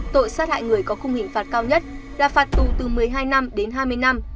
tội sát hại người có khung hình phạt cao nhất là phạt tù từ một mươi hai năm đến hai mươi năm